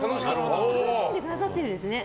楽しんでくださってるんですね。